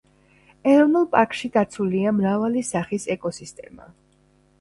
ეროვნულ პარკში დაცულია მრავალი სახის ეკოსისტემა.